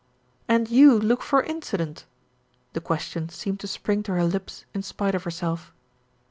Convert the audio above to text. "And you look for incident?" The question seemed to spring to her lips in spite of herself.